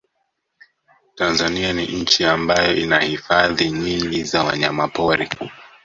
Tanzania ni nchi ambayo ina hifadhi nyingi za wanyamapori